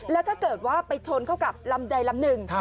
แล้วถ้าเกิดว่าไปชนเข้ากับลำใดลำหนึ่ง